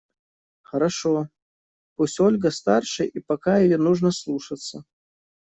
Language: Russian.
Хорошо! Пусть Ольга старше и пока ее нужно слушаться.